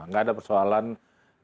tidak ada persoalan tidak ada persoalan